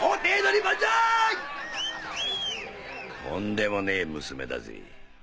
とんでもねえ娘だぜ。